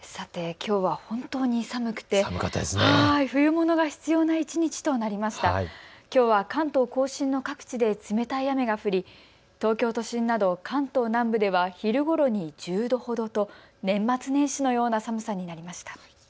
きょうは関東甲信の各地で冷たい雨が降り東京都心など関東南部では昼ごろに１０度ほどと年末年始のような寒さになりました。